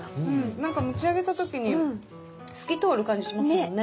なんか持ち上げた時に透き通る感じしますもんね。